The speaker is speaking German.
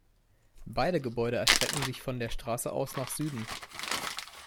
Beide Gebäude erstrecken sich von der Straße aus nach Süden.